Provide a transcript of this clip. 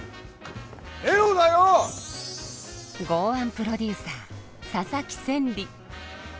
豪腕プロデューサー佐々木千里。